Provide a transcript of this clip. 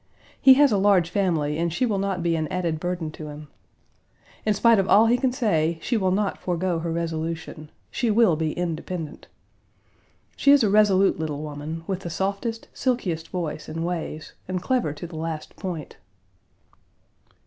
He has a large family and she will not be an added burden to him. In spite of all he can say, she will not forego her resolution. She will be independent. She is a resolute little woman, with the softest, silkiest voice and ways, and clever to the last point.